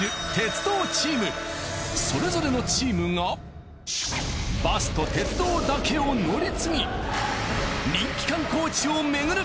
それぞれのチームがバスと鉄道だけを乗り継ぎ人気観光地を巡る。